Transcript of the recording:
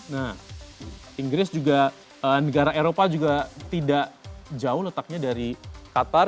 nah inggris juga negara eropa juga tidak jauh letaknya dari qatar